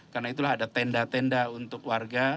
karena itulah ada tenda tenda untuk warga